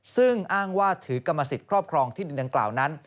ซึ่งอ้างว่าถือกรรมสิทธิ์ครอบครองที่ดินดังกล่าวนั้น